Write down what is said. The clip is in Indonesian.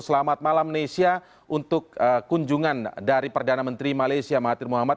selamat malam nesya untuk kunjungan dari perdana menteri malaysia mahathir muhammad